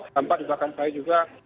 tampak di belakang saya juga